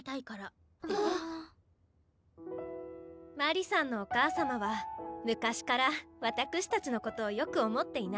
鞠莉さんのお母様は昔からわたくしたちのことを良く思っていないのですわ。